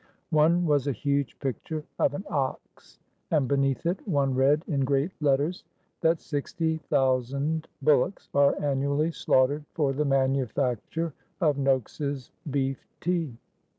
"One was a huge picture of an ox, and beneath it one read in great letters that sixty thousand bullocks are annually slaughtered for the manufacture of Nokes's beef tea.